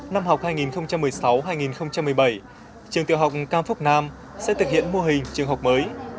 năm học hai nghìn một mươi sáu hai nghìn một mươi bảy trường tiểu học cam phúc nam sẽ thực hiện mô hình trường học mới